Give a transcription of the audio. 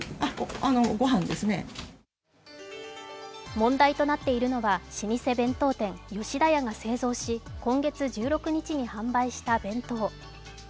問題となっているのは老舗弁当店、吉田屋が製造し今月１６日に販売した弁当。